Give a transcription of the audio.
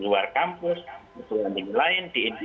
di luar kampus di industri di masyarakat